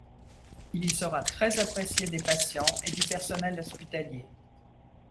Il y sera très apprécié des patients et du personnel hospitalier.